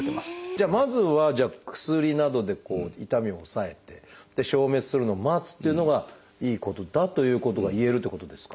じゃあまずは薬などで痛みを抑えて消滅するのを待つっていうのがいいことだということがいえるということですか？